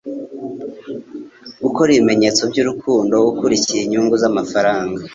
gukora ibimenyetso by'urukundo ukurikiye inyungu z'amafaranga